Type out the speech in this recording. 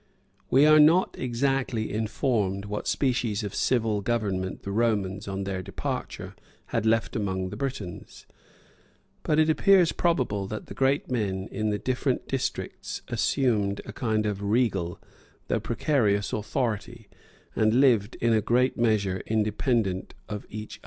We are not exactly informed what species of civil government the Romans, on their departure, had left among the Britons, but it appears probable that the great men in the different districts assumed a kind of regal, though precarious authority, and lived in a great measure independent of each other.